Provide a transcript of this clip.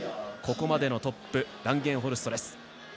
ここまでのトップランゲンホルストです。